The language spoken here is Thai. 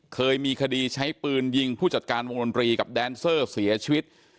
เคยมีคดีใช้ปืนยิงผู้จัดการวงดนตรีกับแดนเซอร์เสียชีวิต